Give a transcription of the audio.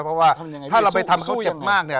เพราะว่าถ้าเราไปทำเขาเจ็บมากเนี่ย